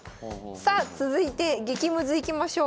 さあ続いて激ムズいきましょう。